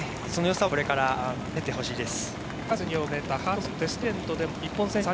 そのよさをこれから見せてほしいです。